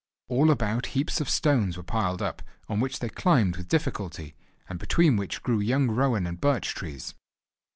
All about heaps of stones were piled up, on which they climbed with difficulty, and between which grew young rowan and birch trees.